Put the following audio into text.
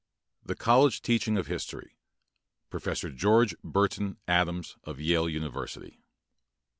The College Teaching of History PROFESSOR GEORGE BURTON ADAMS, OF YALE UNIVERSITY.